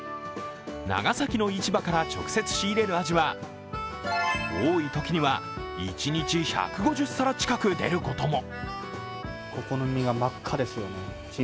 長崎の市場から直接仕入れるアジは多いときには一日１５０皿近く出ることも。